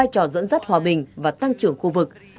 trò dẫn dắt hòa bình và tăng trưởng khu vực